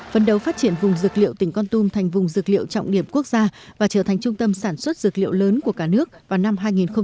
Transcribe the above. phấn đấu phát triển vùng dược liệu tỉnh con tum thành vùng dược liệu trọng điểm quốc gia và trở thành trung tâm sản xuất dược liệu lớn của cả nước vào năm hai nghìn ba mươi